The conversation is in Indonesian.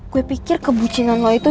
kue pikir kebucinan lo itu